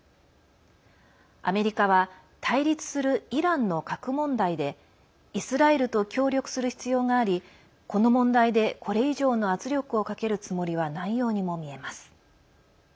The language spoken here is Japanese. アメリカは対立するイランの核問題でイスラエルと協力する必要がありこの問題でこれ以上の圧力をかけるつもりはないようにも見えます。